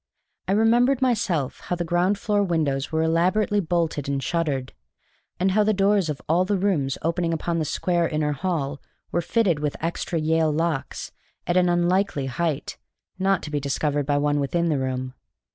I remembered myself how the ground floor windows were elaborately bolted and shuttered, and how the doors of all the rooms opening upon the square inner hall were fitted with extra Yale locks, at an unlikely height, not to be discovered by one within the room.